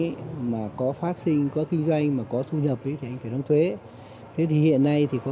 ấy mà có phát sinh có kinh doanh mà có thu nhập với thì anh phải đồng thuế thế thì hiện nay thì có